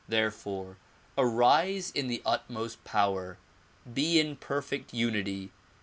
Therefore arise in the utmost power. Be in perfect unity.